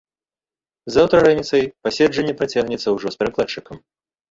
Заўтра раніцай пасяджэнне працягнецца, ужо з перакладчыкам.